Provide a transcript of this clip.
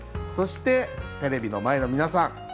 そしてテレビの前の皆さん